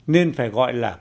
nên phải gọi là